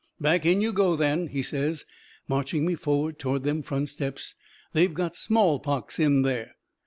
"Back in you go, then," he says, marching me forward toward them front steps, "they've got smallpox in there."